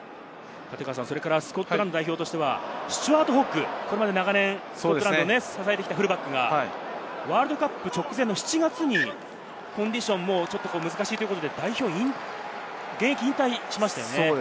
それからスコットランド代表としてはスチュアート・ホッグ、これまで長年スコットランドを支えてきたフルバックがワールドカップ直前の７月にコンディションが難しいということで、現役引退しましたね。